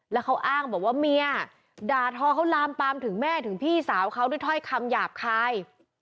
แล้วเขาอ้างบอกว่าเมียด่าทอเขาลามปามถึงแม่ถึงพี่สาวเขาด้วยถ้อยคำหยาบคาย